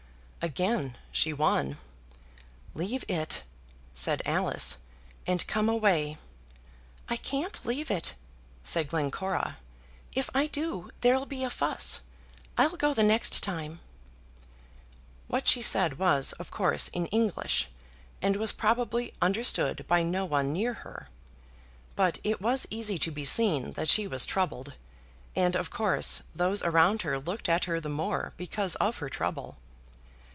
Again she won. "Leave it," said Alice, "and come away." "I can't leave it," said Glencora. "If I do, there'll be a fuss. I'll go the next time." What she said was, of course, in English, and was probably understood by no one near her; but it was easy to be seen that she was troubled, and, of course, those around her looked at her the more because of her trouble.